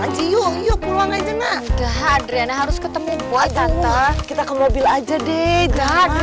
aja yuk yuk pulang aja nah adriana harus ketemu kuat kita ke mobil aja deh jangan